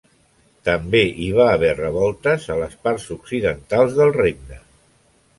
També hi va haver revoltes a les parts occidentals del Regne.